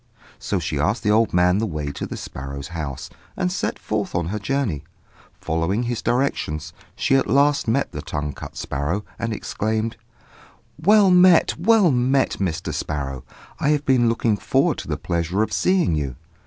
So she asked the old man the way to the sparrows' house, and set forth on her journey. Following his directions, she at last met the tongue cut sparrow, and exclaimed "Well met! well met! Mr. Sparrow. I have been looking forward to the pleasure of seeing you."